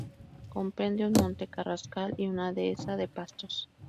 Comprende un monte carrascal y una dehesa de pastos.